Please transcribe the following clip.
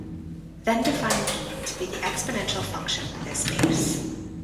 Then define "e" to be the exponential function with this base.